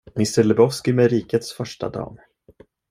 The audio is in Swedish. Mr Lebowski med rikets första dam.